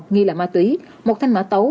nghi là ma túy một thanh mã tấu